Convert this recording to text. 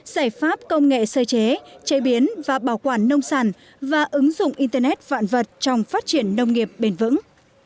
giải pháp công nghệ sơ chế chế biến và bảo quản nông sản và ứng dụng internet vạn vật trong phát triển nông nghiệp bền vững